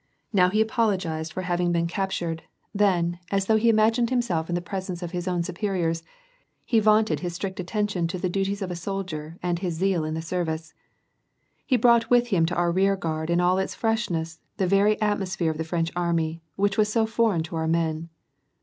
Now he apologized for having been 808 WAH AND PEACE. captured, then, as though he imagined himself in the presence of his own superiors, he vaunted his strict attention to the duties of a soldier and his zeal in the service. He brought with him to our rearguard in all its freshness the very atmos phere of the French army, which was so foreign to our men.